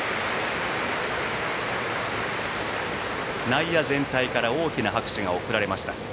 内野全体から大きな拍手が送られました。